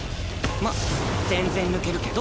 まあ全然抜けるけど！